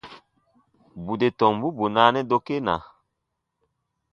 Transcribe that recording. Bù de tombu bù naanɛ dokena.